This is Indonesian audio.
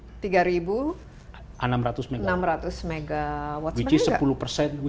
rooftop itu dalam kajian terakhir